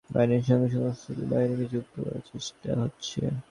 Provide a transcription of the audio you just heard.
এখন আইনশৃঙ্খলা রক্ষাকারী বাহিনীর সঙ্গে সশস্ত্র বাহিনীকে যুক্ত করার চেষ্টা হচ্ছে।